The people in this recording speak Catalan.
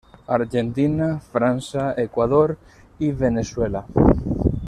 Argentina, França, Equador i Veneçuela.